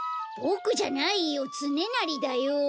ボクじゃないよつねなりだよ。